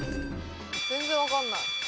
全然わからない。